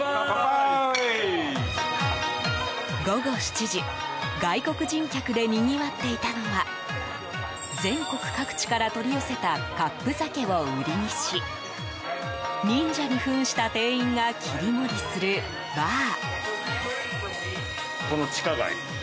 午後７時外国人客でにぎわっていたのは全国各地から取り寄せたカップ酒を売りにし忍者に扮した店員が切り盛りするバー。